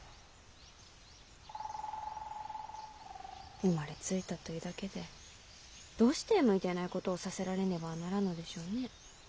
生まれついたというだけでどうして向いていないことをさせられねばならんのでしょうね。